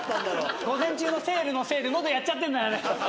午前中のセールのせいで喉やっちゃってんだよあれ。